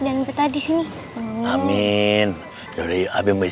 dan betah di sini amin dari abis ratu ya tapi jangan bingung bingung